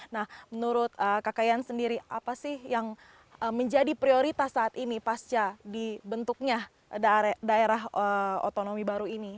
nah menurut kak kayan sendiri apa sih yang menjadi prioritas saat ini pasca dibentuknya daerah otonomi baru ini